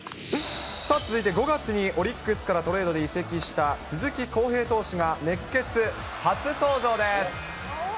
さあ、続いて５月にオリックスからトレードで移籍した鈴木康平投手が、熱ケツ初登場です。